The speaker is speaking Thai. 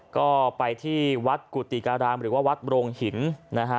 ก็ไปที่วัดกุฏิการามหรือว่าวัดโรงหินนะฮะ